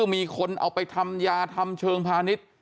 มีคนเอาไปทำยาทำเชิงพาณิชย์